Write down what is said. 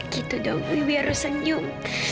gitu dong wibi harus senyum